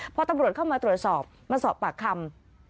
พอตำรวจเข้ามาตรวจสอบมาสอบปากคำ